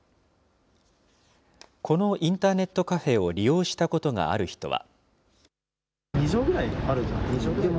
このインターネットカフェを利用したことがある人は。